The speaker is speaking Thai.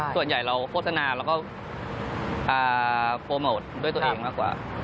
ส่วนใหญ่เราโฆษณาแล้วก็โปรโมทด้วยตัวเองมากกว่า